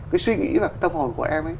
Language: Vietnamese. cái suy nghĩ và tâm hồn của em